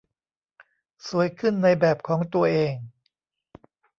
สวยขึ้นในแบบของตัวเอง